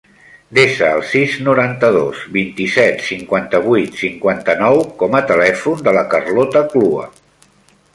Desa el sis, noranta-dos, vint-i-set, cinquanta-vuit, cinquanta-nou com a telèfon de la Carlota Clua.